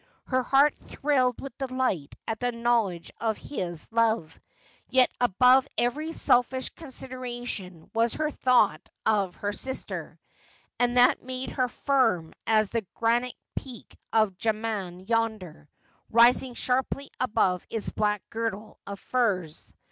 Her heart thrilled with delight at the knowledge of his love ; yet above every selfish consideration was her thought of her sister, and that made her firm as the granite peak of Jaman yonder, rising sharply above its black girdle of firs.